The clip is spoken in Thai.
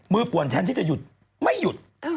ป่วนแทนที่จะหยุดไม่หยุด